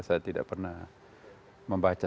saya tidak pernah membaca